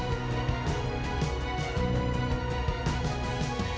suara rajawan rezeki memecah ganingan pagi